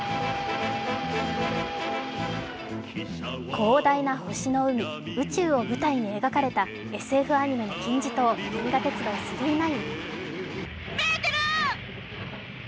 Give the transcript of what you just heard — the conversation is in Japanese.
広大な星の海・宇宙を舞台に描かれたＳＦ漫画の金字塔「銀河鉄道９９９」。